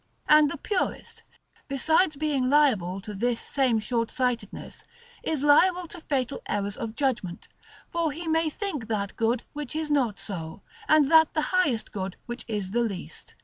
And the Purist, besides being liable to this same shortsightedness, is liable also to fatal errors of judgment; for he may think that good which is not so, and that the highest good which is the least.